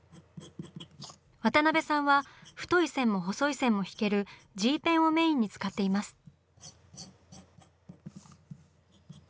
渡辺さんは太い線も細い線も引けるＧペンをメインに使っています。